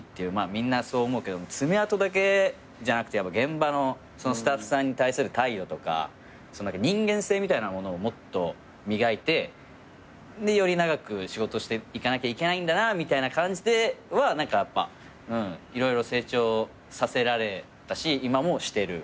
みんなそう思うけど爪痕だけじゃなくて現場のスタッフさんに対する態度とか人間性みたいなものをもっと磨いてより長く仕事していかなきゃいけないんだなみたいな感じでは何かやっぱ色々成長させられたし今もしてる。